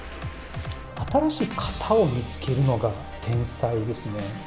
新しい型を見つけるのが天才ですね。